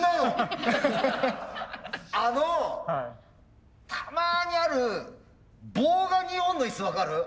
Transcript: あのたまにある棒が２本の椅子分かる？